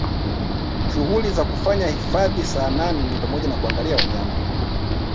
Shughuli za kufanya hifadhini Saanane ni pamoja na kuangalia wanyama